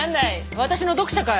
私の読者かい？